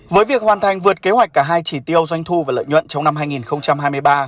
với việc hoàn thành vượt kế hoạch cả hai chỉ tiêu doanh thu và lợi nhuận trong năm hai nghìn hai mươi ba